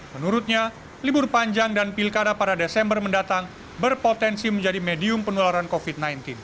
menurutnya libur panjang dan pilkada pada desember mendatang berpotensi menjadi medium penularan covid sembilan belas